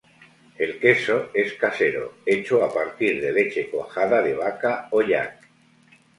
El queso es casero, hecho a partir de leche cuajada de vaca o yak.